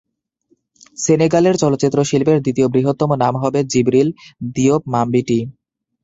সেনেগালের চলচ্চিত্র শিল্পের দ্বিতীয় বৃহত্তম নাম হবে জিবরিল দিওপ মাম্বিটি।